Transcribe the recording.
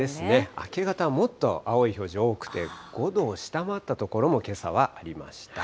明け方、もっと青い表示多くて、５度を下回った所もけさはありました。